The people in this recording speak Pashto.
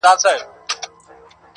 د کتاب نوم: زلمۍ سندري